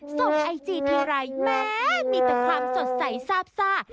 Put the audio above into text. ส่งไอจีที่ไลน์แม้มีแต่ความสดใสซาบซา